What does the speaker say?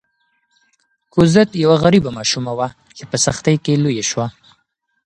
کوزت یوه غریبه ماشومه وه چې په سختۍ کې لویه شوه.